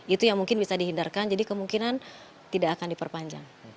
itu yang mungkin bisa dihindarkan jadi kemungkinan tidak akan diperpanjang